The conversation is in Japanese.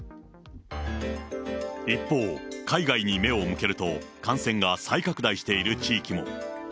一方、海外に目を向けると、感染が再拡大している地域も。